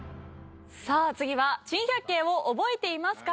さあ次は珍百景を覚えていますか？